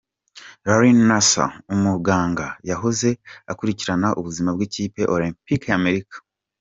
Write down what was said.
Larry Nasser, umuganga yahoze akurikirana ubuzima bw’ikipe olempike ya Amerika.